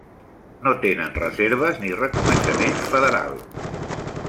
No tenen reserves ni reconeixement federal.